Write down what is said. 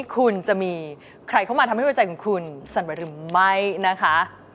คุณจะมีใครเข้ามาทำให้หัวใจของคุณสั่นไหวหรือไม่นะคะ